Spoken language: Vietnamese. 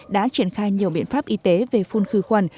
đã triển khai nhiều biện pháp y tế về phun khử khuẩn